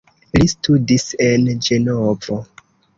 Li studis en Ĝenovo.